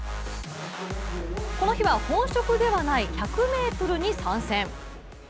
この日は、本職ではない１００ｍに参戦。